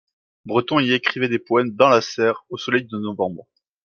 Breton y écrivait des poèmes dans la serre, au soleil de novembre.